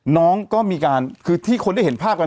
น้องก็มีการคือที่คนได้เห็นภาพกัน